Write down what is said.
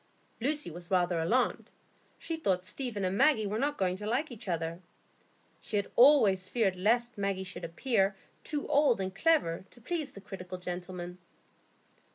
Lucy was rather alarmed; she thought Stephen and Maggie were not going to like each other. She had always feared lest Maggie should appear too old and clever to please that critical gentleman.